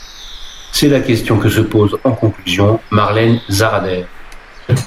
C'est la question que se pose en conclusion Marlène Zarader.